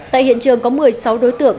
tại hiện trường có một mươi sáu đối tượng